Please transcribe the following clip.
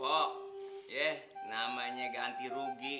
pok yee namanya ganti rugi